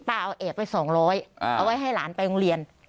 ป้าเอาแอบไว้สองร้อยอ่าเอาไว้ให้หลานไปโรงเรียน